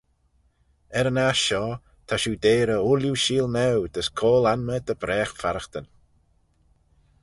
Er yn aght shoh ta shiu deyrey ooilley sheelnaue dys coayl-anmey dy bragh farraghtyn.